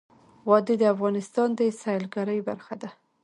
وادي د افغانستان د سیلګرۍ برخه ده.